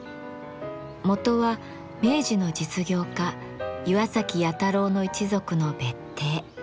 元は明治の実業家岩崎弥太郎の一族の別邸。